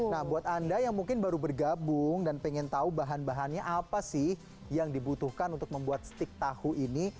nah buat anda yang mungkin baru bergabung dan pengen tahu bahan bahannya apa sih yang dibutuhkan untuk membuat stik tahu ini